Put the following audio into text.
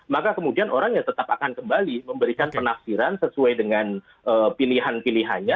maka kemudian orang yang tetap akan kembali memberikan penafsiran sesuai dengan pilihan pilihannya